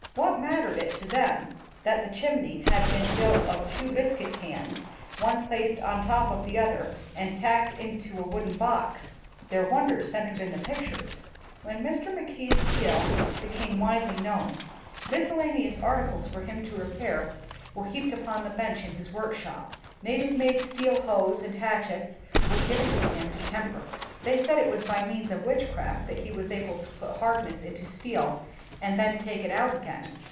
What mattered it to them that the chimney had been built of two biscuit cans, one placed on top of the other and tacked into a wooden box % Their wonder centered in the pictures. 93 WHITE MAN OF WORK When Mr. Mackay 's skill became widely known, miscellaneous articles for him to re pair were heaped upon the bench in his workshop. Native made steel hoes and hatchets were given him to temper. They said it was by means of witchcraft that he was able to put hardness into steel and then take it out again.